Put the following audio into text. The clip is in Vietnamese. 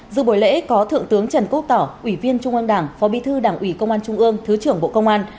dự buổi lễ có thượng tướng trần quốc tỏ ủy viên trung an đảng phó bí thư đảng ủy công an trung ương thứ trưởng bộ công an